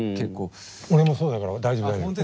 俺もそうだから大丈夫大丈夫。